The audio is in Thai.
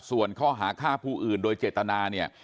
ส่วนข้อหาฆ่าผู้อื่นโดยเจตนาเนี่ย